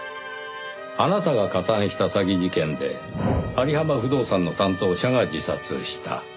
あなたが加担した詐欺事件で有浜不動産の担当者が自殺した。